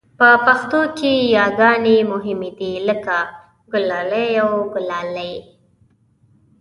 په پښتو کې یاګانې مهمې دي لکه ګلالی او ګلالۍ